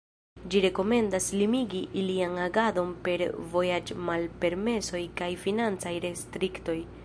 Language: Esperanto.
Ĝi rekomendas limigi ilian agadon per vojaĝmalpermesoj kaj financaj restriktoj.